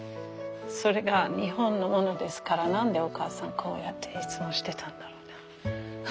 それが日本のものですから何でお母さんこうやっていつもしてたんだろうな。